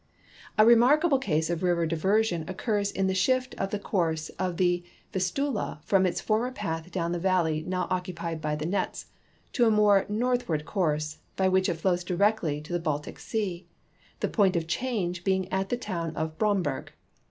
A remarkable case of river diversion occurs in the shift of the course of the Vistula from its former path down the valle}" now occupied by the Netze to a more northward course, by which it flows directly to the Baltic sea, the point of change being at the town of Bromberg.